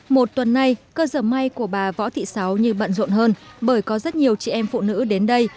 một tuần nay cơ dở may của bà võ thị sáu như bận rộn hơn bởi có rất nhiều chị em phụ nữ đến đây